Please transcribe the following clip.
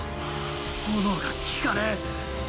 炎が効かねェ！